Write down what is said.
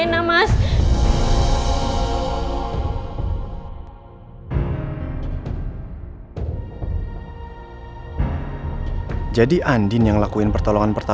nah coba mbak andin nyari kan mbok indian ber couruning eike